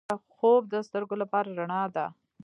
خوب د سترګو لپاره رڼا ده